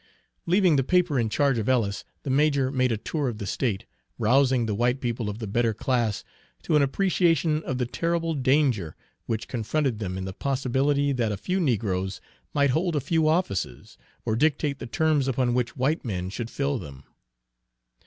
Leaving the paper in charge of Ellis, the major made a tour of the state, rousing the white people of the better class to an appreciation of the terrible danger which confronted them in the possibility that a few negroes might hold a few offices or dictate the terms upon which white men should fill them.